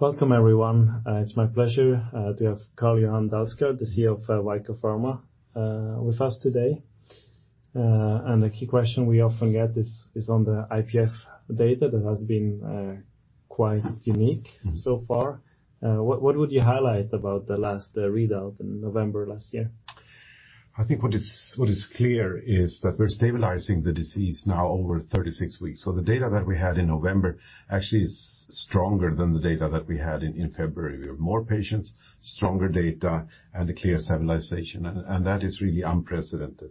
Welcome everyone. It's my pleasure to have Carl-Johan Dalsgaard, the CEO of Vicore Pharma with us today. The key question we often get is on the IPF data that has been quite unique. Mm-hmm ...so far. What would you highlight about the last readout in November last year? I think what is clear is that we're stabilizing the disease now over 36 weeks. The data that we had in November actually is stronger than the data that we had in February. We have more patients, stronger data, and a clear stabilization. That is really unprecedented.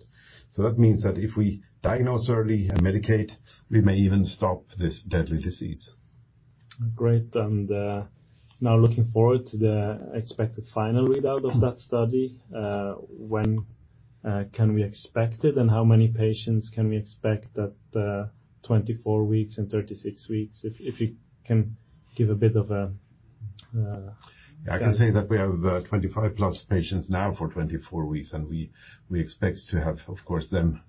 That means that if we diagnose early and medicate, we may even stop this deadly disease. Great. Now looking forward to the expected final readout- Mm-hmm ...of that study. when, can we expect it, and how many patients can we expect at, 24 weeks and 36 weeks? If you can give a bit of a. I can say that we have 25 plus patients now for 24 weeks, and we expect to have, of course, them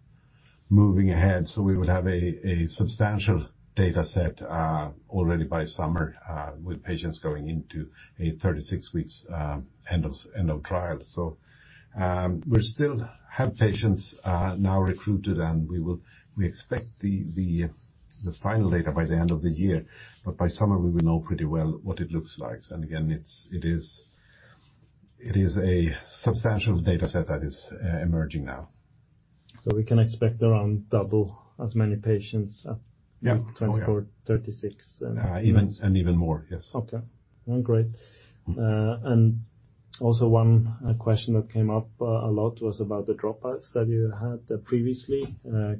moving ahead. We would have a substantial data set already by summer with patients going into a 36 weeks end of trial. We still have patients now recruited, and we expect the final data by the end of the year. But by summer, we will know pretty well what it looks like. Again, it's a substantial data set that is emerging now. We can expect around double as many patients- Yeah. Oh, yeah ...week 24, 36, and even- Even more, yes. Okay. Well, great. Also one question that came up a lot was about the dropouts that you had previously.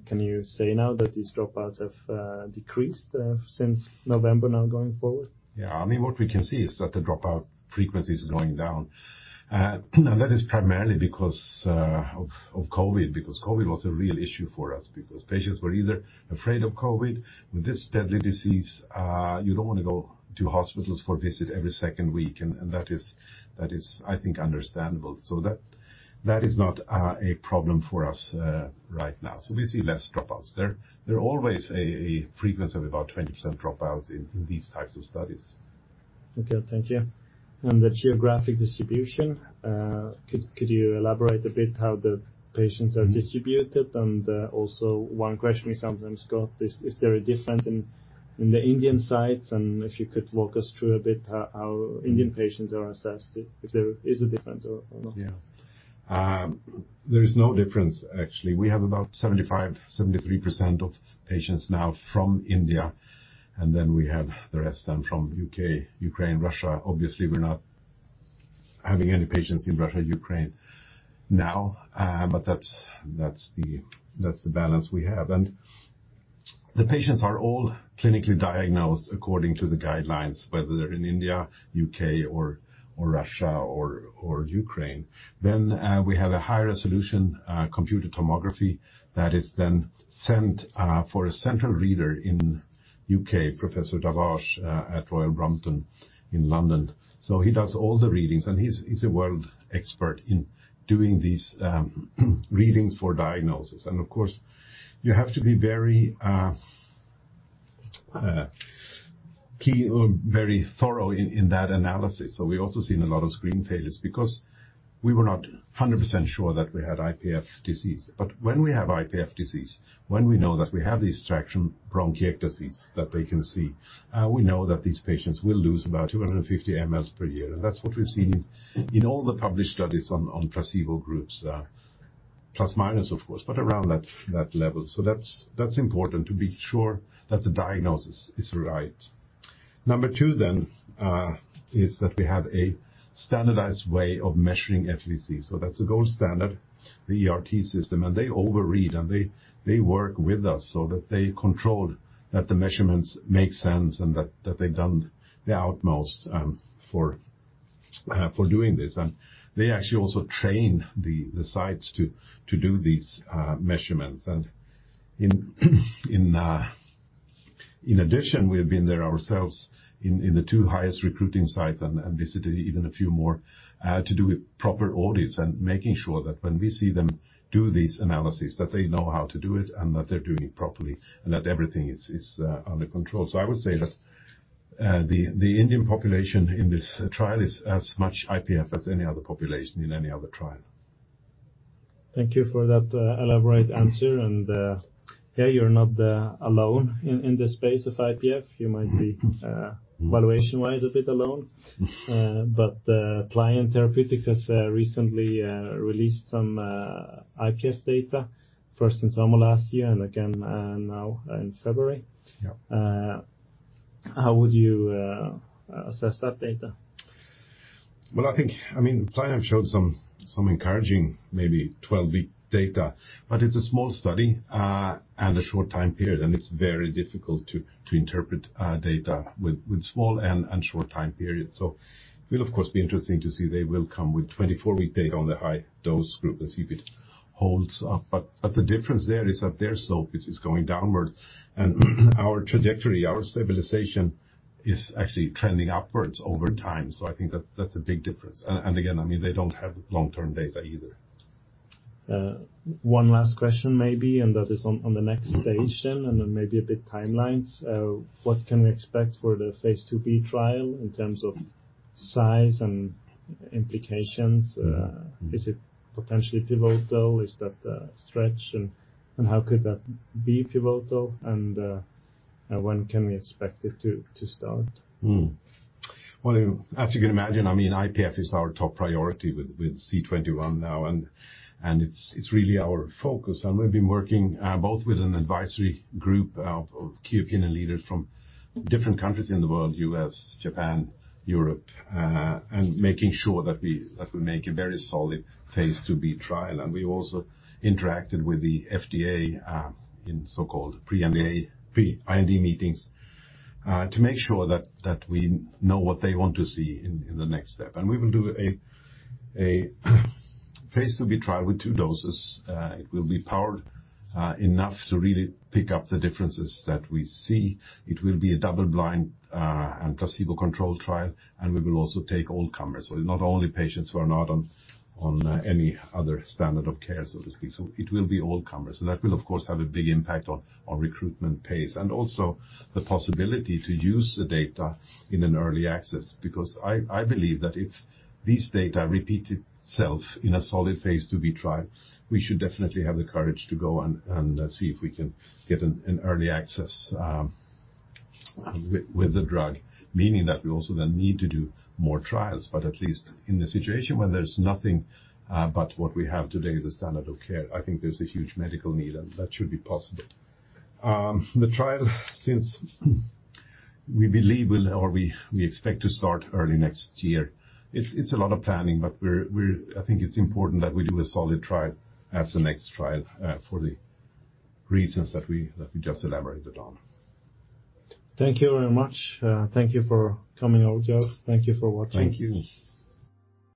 Can you say now that these dropouts have decreased since November now going forward? Yeah. I mean, what we can see is that the dropout frequency is going down. That is primarily because of COVID, because COVID was a real issue for us because patients were either afraid of COVID. With this deadly disease, you don't wanna go to hospitals for visit every second week. That is I think understandable. That is not a problem for us right now. We see less dropouts. There always a frequency of about 20% dropouts in these types of studies. Okay. Thank you. The geographic distribution, could you elaborate a bit how the patients are distributed? Mm-hmm. Also one question we sometimes got, is there a difference in the Indian sites? If you could walk us through a bit how Indian patients are assessed, if there is a difference or not. Yeah. There is no difference actually. We have about 75%, 73% of patients now from India, and then we have the rest then from U.K., Ukraine, Russia. Obviously, we're not having any patients in Russia, Ukraine now. That's the balance we have. The patients are all clinically diagnosed according to the guidelines, whether they're in India, U.K. or Russia or Ukraine. We have a high-resolution computed tomography that is then sent for a central reader in U.K., Professor Devaraj, at Royal Brompton in London. He does all the readings, and he's a world expert in doing these readings for diagnosis. Of course, you have to be very thorough in that analysis. We also seen a lot of screen failures because we were not 100% sure that we had IPF disease. When we have IPF disease, when we know that we have the traction bronchiectasis that they can see, we know that these patients will lose about 250 mLs per year. That's what we've seen in all the published studies on placebo groups, plus minus of course, but around that level. That's, that's important to be sure that the diagnosis is right. Number two is that we have a standardized way of measuring FVC. That's a gold standard, the ERT system. They over-read, and they work with us so that they control that the measurements make sense and that they've done the utmost for doing this. They actually also train the sites to do these measurements. In addition, we have been there ourselves in the two highest recruiting sites and visited even a few more to do with proper audits and making sure that when we see them do these analysis, that they know how to do it and that they're doing it properly and that everything is under control. I would say that, the Indian population in this trial is as much IPF as any other population in any other trial. Thank you for that elaborate answer. Yeah, you're not alone in this space of IPF. You might be. Mm-hmm ...valuation-wise a bit alone. Pliant Therapeutics has recently released some IPF data, first in summer last year and again now in February. Yeah. How would you assess that data? Well, I mean, Pliant showed some encouraging maybe 12-week data, but it's a small study and a short time period, and it's very difficult to interpret data with small and short time periods. Will of course be interesting to see. They will come with 24-week data on the high dose group and see if it holds up. The difference there is that their slope is going downward and our trajectory, our stabilization is actually trending upwards over time. I think that's a big difference. Again, I mean, they don't have long-term data either. One last question maybe, and that is on the next stage then, and then maybe a bit timelines. What can we expect for the Phase 2b trial in terms of size and implications? Is it potentially pivotal? Is that a stretch? How could that be pivotal? When can we expect it to start? Well, as you can imagine, I mean IPF is our top priority with C21 now, and it's really our focus. We've been working both with an advisory group of key opinion leaders from different countries in the world: U.S., Japan, Europe, and making sure that we make a very solid Phase 2b trial. We also interacted with the FDA in so-called pre-IND meetings to make sure that we know what they want to see in the next step. We will do a Phase 2b trial with two doses. It will be powered enough to really pick up the differences that we see. It will be a double-blind and placebo-controlled trial, and we will also take all comers. Not only patients who are not on any other standard of care, so to speak. It will be all comers. That will of course have a big impact on recruitment pace, and also the possibility to use the data in an early access. Because I believe that if this data repeat itself in a solid Phase 2b trial, we should definitely have the courage to go and see if we can get an early access with the drug. Meaning that we also then need to do more trials. At least in the situation where there's nothing but what we have today as a standard of care, I think there's a huge medical need and that should be possible. The trial since we believe we expect to start early next year, it's a lot of planning, we're, I think it's important that we do a solid trial as the next trial, for the reasons that we just elaborated on. Thank you very much. Thank you for coming out, Carl. Thank you for watching. Thank you.